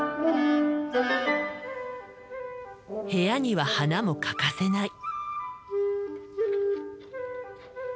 部屋には花も欠かせない。